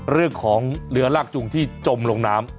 เรื่องของเรือลากจุงที่จมลงน้ำ